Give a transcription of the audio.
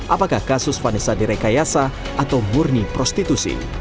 apakah kasus vanessa direkayasa atau murni prostitusi